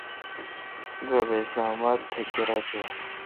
دوابھ اسلام اباد تھ کیرا چوں ۔